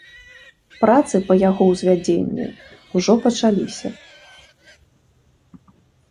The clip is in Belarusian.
Працы па яго ўзвядзенні ўжо пачаліся.